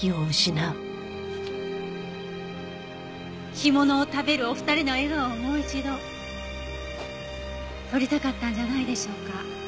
干物を食べるお二人の笑顔をもう一度撮りたかったんじゃないでしょうか。